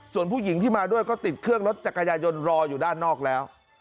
ส่วนผู้หญิงที่มาด้วยก็ติดเครื่องรถจักรยายนรออยู่ด้านนอกแล้ว